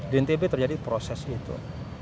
di ntb terjadi proses itu